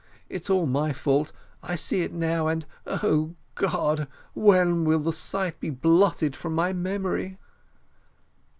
It's all my fault I see it now and, O God! when will the sight be blotted from my memory?"